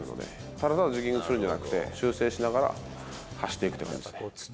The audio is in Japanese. ただジョギングするんじゃなくて、修正しながら走っていくっていう感じで。